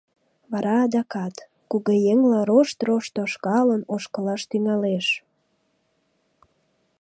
Вара адакат, кугыеҥла рошт-рошт тошкалын, ошкылаш тӱҥалеш...